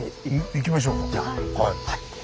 行きましょうか。